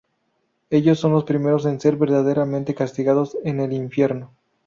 Ellos son los primeros en ser verdaderamente castigados en el Infierno.